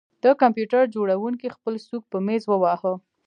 د کمپیوټر جوړونکي خپل سوک په میز وواهه